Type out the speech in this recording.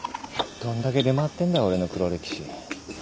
どんだけ出回ってんだ俺の黒歴史。